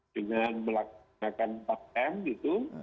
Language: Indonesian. dengan melaksanakan empat m gitu